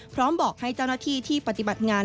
บอกให้เจ้าหน้าที่ที่ปฏิบัติงาน